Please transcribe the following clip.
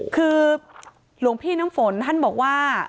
คือหลวงพี่น้ำฝนท่านบอกว่า